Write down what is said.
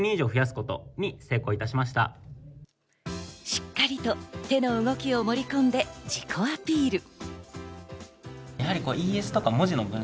しっかりと手の動きを盛り込んで自己アピール。